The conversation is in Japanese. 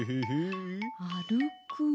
あるく。